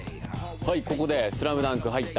はい、ここでスラムダンク入った。